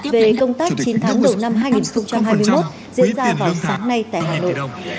về công tác chín tháng đầu năm hai nghìn hai mươi một diễn ra vào sáng nay tại hà nội